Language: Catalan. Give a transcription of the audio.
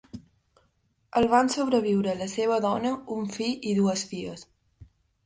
El van sobreviure la seva dona, un fill i dues fills.